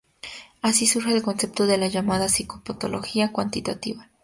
Así surge el concepto de la llamada psicopatología cuantitativa.